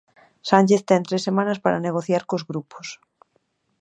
Sánchez ten tres semanas para negociar cos grupos.